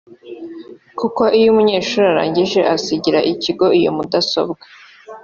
kuko iyo umunyeshuri arangije asigira ikigo iyo mudasobwa